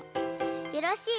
よろしい。